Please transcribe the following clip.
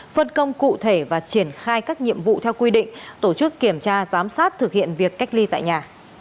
phân công cụ thể và triển khai các nhiệm vụ theo quy định tổ chức kiểm tra giám sát thực hiện việc cách ly tại nhà